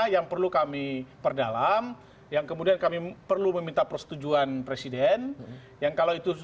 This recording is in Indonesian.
yang perlu kami perdalam yang kemudian kami perlu meminta persetujuan presiden yang kalau itu